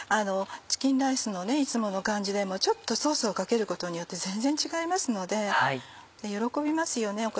チキンライスのいつもの感じでもちょっとソースをかけることによって全然違いますので喜びますよね